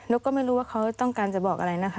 กก็ไม่รู้ว่าเขาต้องการจะบอกอะไรนะคะ